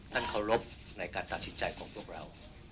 เคารพในการตัดสินใจของพวกเรา